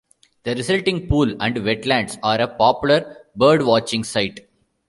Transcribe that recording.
The resulting pool and wetlands are a popular birdwatching site.